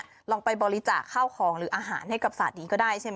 มันก็คงไปบริจาคข้าวของหรืออาหารให้กับสาธิก็ได้ใช่มั้ยคะ